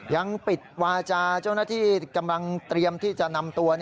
ยังปิดวาจาเจ้าหน้าที่กำลังเตรียมที่จะนำตัว